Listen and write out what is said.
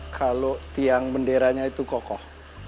kalau tiang benderanya itu kokoh